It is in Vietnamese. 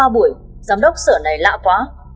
ba buổi giám đốc sở này lạ quá